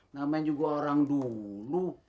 namen juga orang dulu